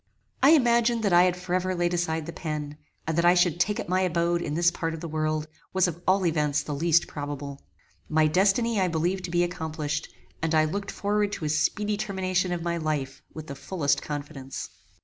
] I imagined that I had forever laid aside the pen; and that I should take up my abode in this part of the world, was of all events the least probable. My destiny I believed to be accomplished, and I looked forward to a speedy termination of my life with the fullest confidence.